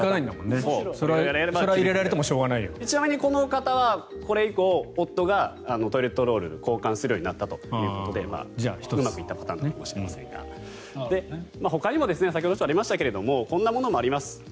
ちなみにこの方はこれ以降、夫がトイレットロールを交換するようになったということでうまくいったパターンかもしれませんがほかにも、先ほどありましたがこんなものもあります。